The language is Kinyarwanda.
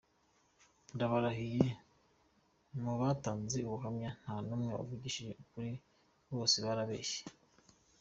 Ndabarahiye mubatanze ubuhamya nta n’umwe wavugishije ukuri bose barabeshye.